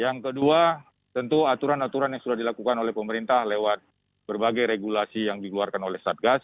yang kedua tentu aturan aturan yang sudah dilakukan oleh pemerintah lewat berbagai regulasi yang dikeluarkan oleh satgas